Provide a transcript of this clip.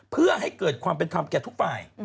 เพื่อให้เกิดความเป็นคำเกี่ยวทุกฝ่าย